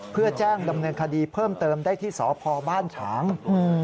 เพื่อแจ้งดำเนินคดีเพิ่มเติมได้ที่สพบ้านฉาง